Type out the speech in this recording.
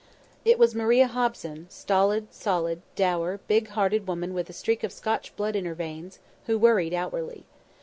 It was Maria Hobson, stolid, solid, dour, big hearted woman with a streak of Scotch blood in her veins, who worried outwardly.